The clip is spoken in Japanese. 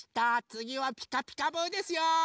つぎは「ピカピカブ！」ですよ。